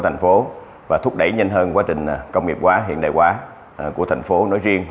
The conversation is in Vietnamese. thành phố và thúc đẩy nhanh hơn quá trình công nghiệp hóa hiện đại hóa của thành phố nói riêng